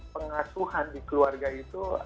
pengasuhan di keluarga itu